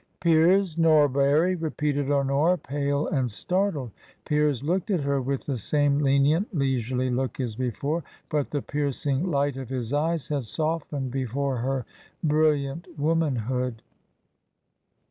" Piers Norbury !" repeated Honora, pale and startled. Piers looked at her with the same lenient, leisurely look as before ; but the piercing light of his eyes had softened before her brilliant womanhood.